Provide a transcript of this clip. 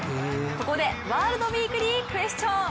ここでワールドウィークリークエスチョン。